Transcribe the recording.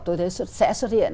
tôi thấy sẽ xuất hiện